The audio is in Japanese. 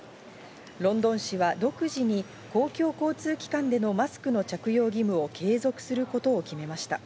ロンドン市は独自に公共交通機関でのマスクの着用義務を継続することを決めました。